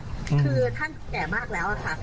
คือท่านแก่มากแล้วค่ะ